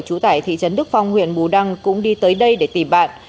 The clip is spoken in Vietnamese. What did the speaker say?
trú tại thị trấn đức phong huyện bù đăng cũng đi tới đây để tìm bạn